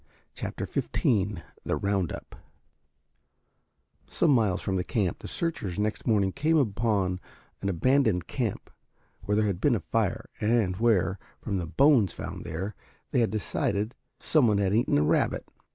CHAPTER XV THE ROUND UP Some miles from the camp the searchers next morning came upon an abandoned camp where there had been a fire and where, from the bones found there, they decided some one had eaten a rabbit.